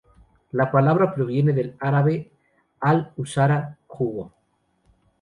La palabra proviene del árabe "al-usara" "jugo".